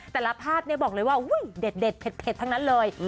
แต่ละภาพบอกเลยว่าเด็ดเผ็ดทั้งนั้นเลย